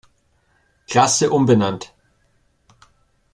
Klasse umbenannt.